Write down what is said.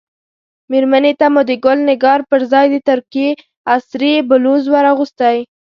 مېرمنې ته مو د ګل نګار پر ځای د ترکیې عصري بلوز ور اغوستی.